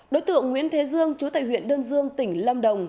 đối tượng nguyễn thế dương chú tại huyện đơn dương tỉnh lâm đồng